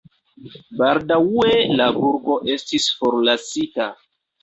Baldaŭe la burgo estis forlasita.